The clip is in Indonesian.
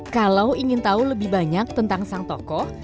kalau ingin tahu lebih banyak tentang sang tokoh